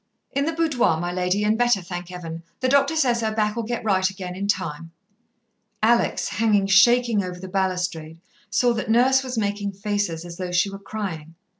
"In the boudoir, my lady, and better, thank Heaven. The doctor says her back'll get right again in time." Alex, hanging shaking over the balustrade, saw that Nurse was making faces as though she were crying.